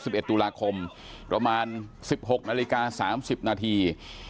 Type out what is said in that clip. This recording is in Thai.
สิบเอ็ดตุลาคมประมาณสิบหกนาฬิกาสามสิบนาที